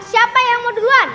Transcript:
siapa yang mau duluan